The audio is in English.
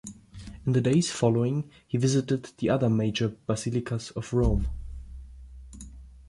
In the days following, he visited the other major basilicas of Rome.